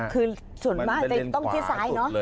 คือส่วนมากจะต้องที่ซ้ายเนอะ